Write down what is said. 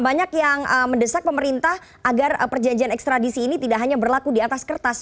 banyak yang mendesak pemerintah agar perjanjian ekstradisi ini tidak hanya berlaku di atas kertas